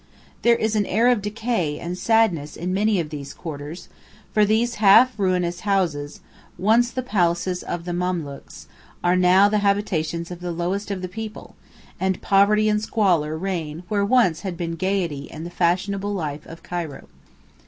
There is an air of decay and sadness in many of these quarters, for these half ruinous houses, once the palaces of the Memlūks, are now the habitations of the lowest of the people, and poverty and squalor reign where once had been gaiety and the fashionable life of Cairo.